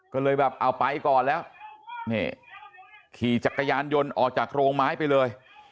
ก็เลยแบบเอาไปก่อนแล้วนี่ขี่จักรยานยนต์ออกจากโรงไม้ไปเลย